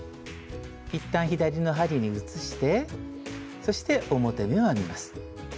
一旦左の針に移してそして表目を編みます。